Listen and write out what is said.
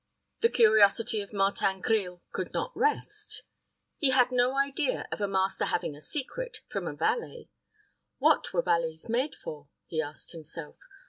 The curiosity of Martin Grille could not rest. He had no idea of a master having a secret from a valet. What were valets made for? he asked himself.